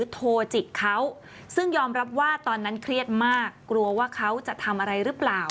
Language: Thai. ต้องรับว่าตอนนั้นเครียดมากกลัวว่าเขาจะทำอะไรหรือเปล่า